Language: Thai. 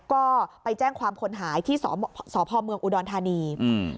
ก็ไปแจ้งความผลหายที่สอบสอบภอมเมืองอุดรธานีอืม